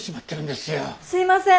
すいません！